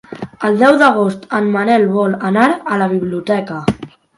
El deu d'agost en Manel vol anar a la biblioteca.